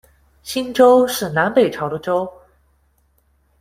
兴州，是南北朝的州。